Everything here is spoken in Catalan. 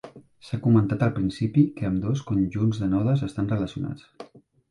S'ha comentat al principi que ambdós conjunts de nodes estan relacionats.